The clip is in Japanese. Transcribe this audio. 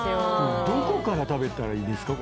どこから食べたらいいですか？